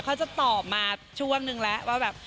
เขาจะตอบมาช่วงนึงแล้วว่าแบบ